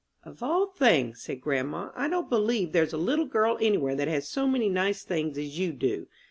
"Of all things," said grandma, "I don't believe there's a little girl any where that has so many nice things as you do.